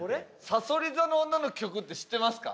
『さそり座の女』の曲って知ってますか？